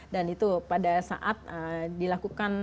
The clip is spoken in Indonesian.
dan itu pada saat dilakukan